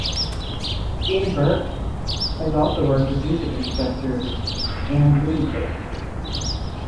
Dean Burke has also worked with Music Instructor and Lunatics.